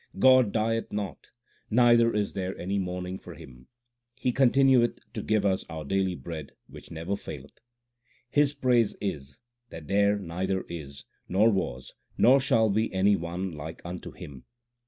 God dieth not, neither is there any mourning for Him ; He continueth to give us our daily bread which never faileth. His praise is that there neither is, Nor was, nor shall be any one like unto Him.